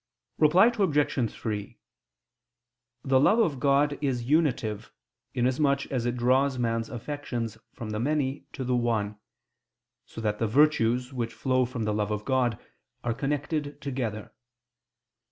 Reply Obj. 3: The love of God is unitive, in as much as it draws man's affections from the many to the one; so that the virtues, which flow from the love of God, are connected together.